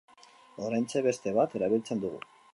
Oraintxe beste bat erabiltzen dugu.